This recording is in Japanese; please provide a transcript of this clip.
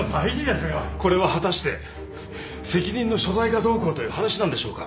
これは果たして責任の所在がどうこうという話なんでしょうか？